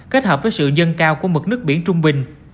kết hợp với sự dân cao của mực nước biển trung bình